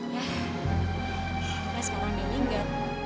ya mbak sekarang dia meninggal